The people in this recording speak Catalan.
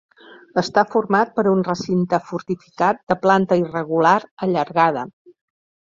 Està format per un recinte fortificat de planta irregular, allargada.